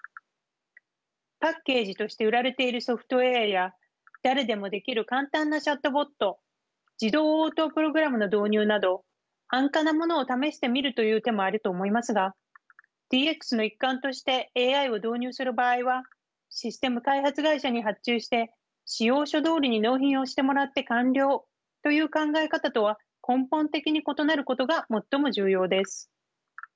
パッケージとして売られているソフトウエアや誰でもできる簡単なチャットボット自動応答プログラムの導入など安価なものを試してみるという手もあると思いますがＤＸの一環としてＡＩを導入する場合はシステム開発会社に発注して仕様書どおりに納品をしてもらって完了という考え方とは根本的に異なることが最も重要です。